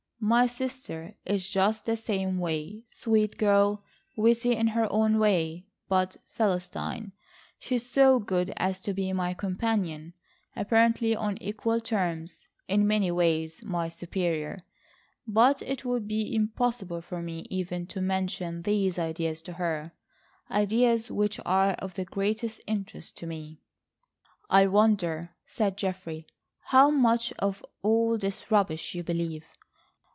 My sister is just the same way. Sweet girl, witty in her own way, but philistine. She is so good as to be my companion, apparently on equal terms, in many ways my superior, but it would be impossible for me even to mention these ideas to her,—ideas which are of the greatest interest to me." "I wonder," said Geoffrey, "how much of all this rubbish you believe?"